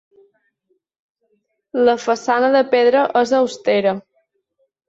La façana de pedra és austera.